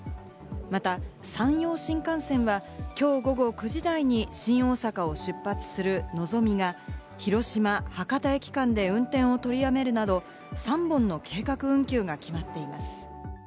また山陽新幹線はきょう午後９時台に新大阪を出発するのぞみが広島−博多駅間で運転を取りやめるなど、３本の計画運休が決まっています。